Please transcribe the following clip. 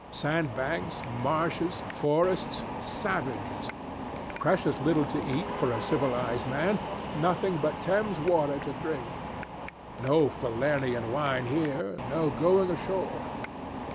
Sandbanks, marshes, forests, savages, precious little to eat fit for a civilized man, nothing but Thames water to drink. No Falernian wine here, no going ashore.